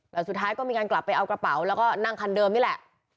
แต่สุดท้ายก็มีการกลับไปเอากระเป๋าแล้วก็นั่งคันเดิมนี่แหละ